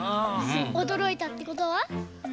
おどろいたってことは？